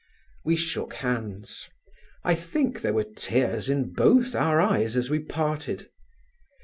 We shook hands. I think there were tears in both our eyes as we parted.